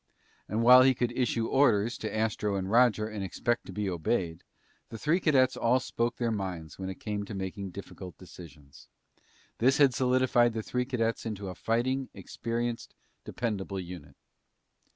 And while he could issue orders to Astro and Roger and expect to be obeyed, the three cadets all spoke their minds when it came to making difficult decisions. This had solidified the three cadets into a fighting, experienced, dependable unit.